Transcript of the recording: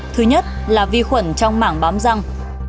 thứ nhất là vi khuẩn trong mảng bám răng